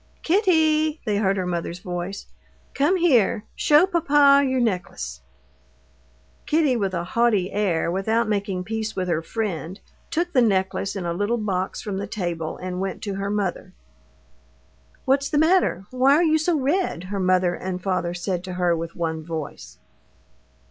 "Kitty," they heard her mother's voice, "come here, show papa your necklace." Kitty, with a haughty air, without making peace with her friend, took the necklace in a little box from the table and went to her mother. "What's the matter? Why are you so red?" her mother and father said to her with one voice.